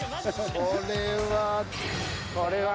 ［これは］